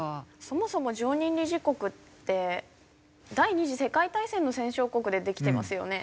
そもそも常任理事国って第２次世界大戦の戦勝国でできてますよね。